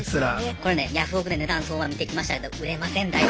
これねヤフオクで値段相場見てきましたけど売れません大丈夫。